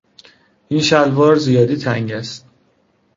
این شلوار زیادی تنگ است.